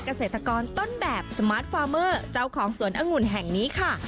เกษตรกรต้นแบบสมาร์ทฟาร์เมอร์เจ้าของสวนองุ่นแห่งนี้ค่ะ